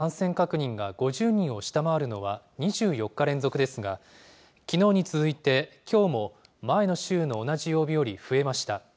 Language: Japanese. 都内の１日の感染確認が５０人を下回るのは２４日連続ですが、きのうに続いてきょうも、前の週の同じ曜日より増えました。